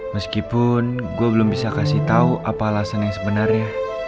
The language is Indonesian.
meskipun gue belum bisa kasih tahu apa alasan yang sebenarnya